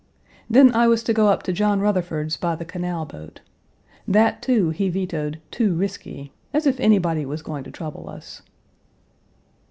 Then I was to go up to John Rutherford's by the canal boat. That, too, he vetoed "too risky," as if anybody was going to trouble us!